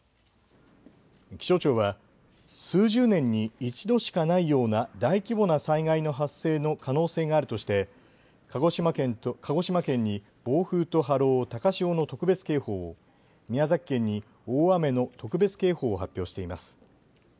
気象庁は数十年に一度しかないような大規模な災害の発生の可能性があるとして鹿児島県に暴風と波浪、高潮の特別警報を、宮崎県に大雨の特別警報を発表しています。